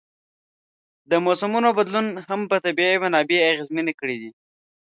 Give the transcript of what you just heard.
د موسمونو بدلون هم طبیعي منابع اغېزمنې کړي دي.